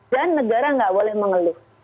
dan negara nggak boleh mengeluh